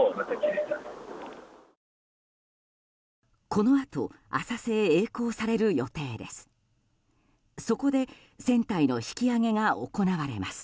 このあと浅瀬へ曳航される予定です。